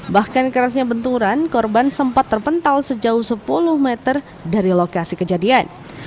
bahkan kerasnya benturan korban sempat terpental sejauh sepuluh meter dari lokasi kejadian